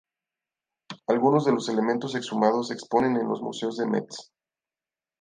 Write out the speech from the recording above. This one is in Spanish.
Algunos de los elementos exhumados se exponen en los museos de Metz.